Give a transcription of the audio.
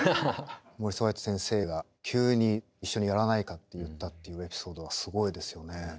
モーリス・ホワイト先生が急に一緒にやらないかって言ったっていうエピソードはすごいですよね。